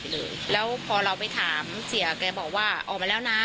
เล่าพอเราไปถามเขาแกบอกว่าออกแล้วนะ